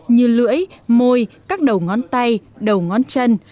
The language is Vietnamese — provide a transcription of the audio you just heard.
như lưỡi môi các đầu ngón tay đầu ngón chân